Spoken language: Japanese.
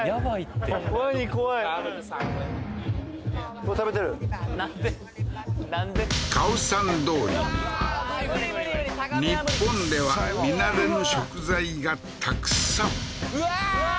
ワニ怖い食べてるカオサン通りには日本では見慣れぬ食材がたくさんうわー！